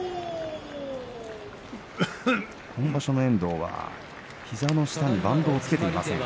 今場所の遠藤は膝の下にバンドを着けていません。